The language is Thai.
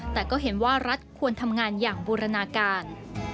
แต่ก็เห็นว่ารัฐควรทำงานอย่างบูรณาการ